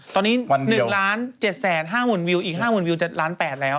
ตอนนี้๑๗๕๐๐๐๐วิวอีก๕หมื่นวิว๗๘๐๐๐๐๐แล้ว